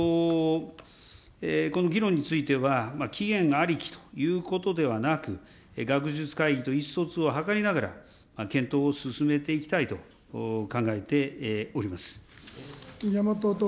この議論については、期限がありきということではなく、学術会議と意思疎通を図りながら検討を進めていきたいと考えてお宮本徹君。